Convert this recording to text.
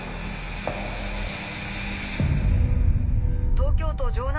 東京都城南